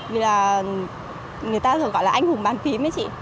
vì là người ta thường gọi là anh hùng bàn phím ấy chị